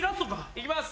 行きます。